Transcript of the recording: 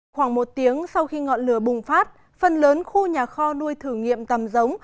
khoảng một tiếng sau khi ngọn lửa bùng phát phần lớn khu nhà kho nuôi thử nghiệm tầm giống